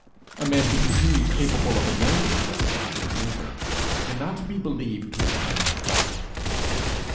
A man who continues capable of a known injustice to his neighbour, cannot be believed to have turned to God.